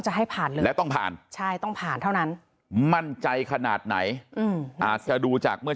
ให้ผ่านเลยและต้องผ่านใช่ต้องผ่านเท่านั้นมั่นใจขนาดไหนอาจจะดูจากเมื่อ